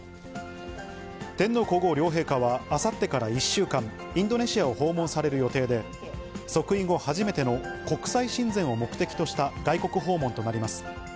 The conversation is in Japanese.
天皇皇后両陛下は、あさってから１週間、インドネシアを訪問される予定で、即位後初めての国際親善を目的とした外国訪問となります。